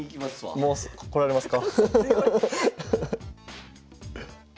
もうこられますか？